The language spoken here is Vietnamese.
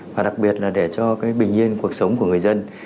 và đặc biệt là để cho cái bình yên cuộc sống của người dân